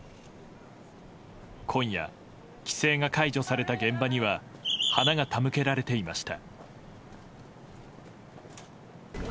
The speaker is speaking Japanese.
今夜、規制が解除された現場には花が手向けられていました。